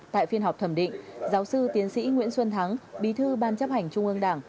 tại phiên họp thẩm định giáo sư tiến sĩ nguyễn xuân thắng bí thư ban chấp hành trung ương đảng